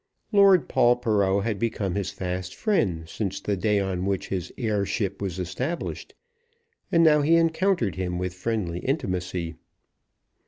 Lord Polperrow had become his fast friend since the day on which his heirship was established, and now encountered him with friendly intimacy.